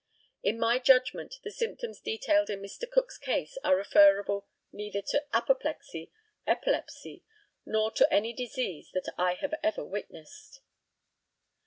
In my judgment, the symptoms detailed in Mr. Cook's case are referable neither to apoplexy, epilepsy, nor to any disease that I have ever witnessed.